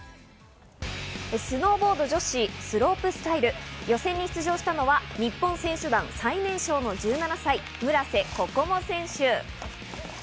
スノーボード女子スロープスタイル予選に出場したのは日本選手団最年少の１７歳、村瀬心椛選手。